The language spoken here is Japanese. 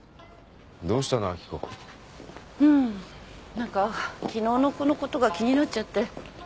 何か昨日の子のことが気になっちゃって。